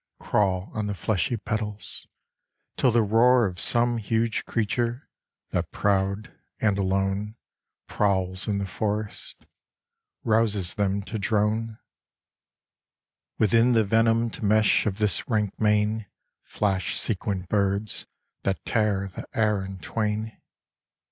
Crawl on the fleshy petals, till the roar Of some huge creature, that proud and alone Prowls in the forest, rouses them to drone ; Within the venomed mesh of this rank mane Flash sequined birds that tear the air in twain.